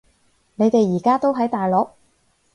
你哋而家都喺大陸？